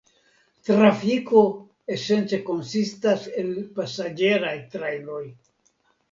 Trafiko esence konsistas el pasaĝeraj trajnoj.